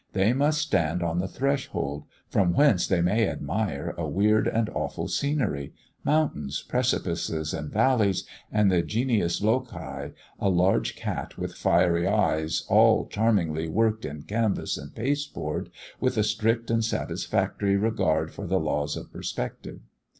They must stand on the threshold, from whence they may admire a weird and awful scenery mountains, precipices and valleys, and the genius loci, a large cat with fiery eyes, all charmingly worked in canvas and pasteboard, with a strict and satisfactory regard for the laws of perspective.